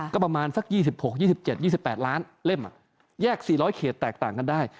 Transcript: ก็ประมาณสัก๒๖๒๗๒๘ล้านเล่มแยก๔๐๐เขตแตกต่างกันได้